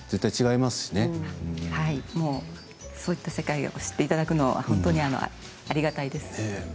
はい、もうそういった世界を知っていただくのは本当にありがたいです。